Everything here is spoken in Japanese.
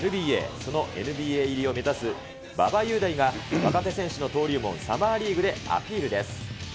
そのＮＢＡ入りを目指す馬場雄大が若手選手の登竜門、サマーリーグでアピールです。